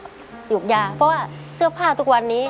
สุทธิ์ฯเขายกยาเพราะว่าเสื้อผ้าทุกวันนี้